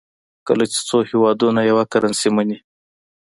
کله چې څو هېوادونه یوه کرنسي مني.